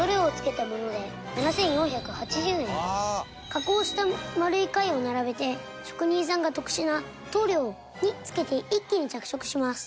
加工した丸い貝を並べて職人さんが特殊な塗料につけて一気に着色します。